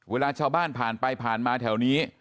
เวลาชาวบ้านผ่านไปผ่านมาแถวนี้